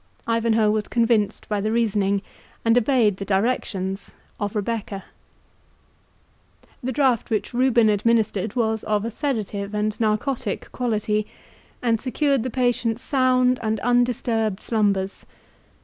Ivanhoe was convinced by the reasoning, and obeyed the directions, of Rebecca. The drought which Reuben administered was of a sedative and narcotic quality, and secured the patient sound and undisturbed slumbers.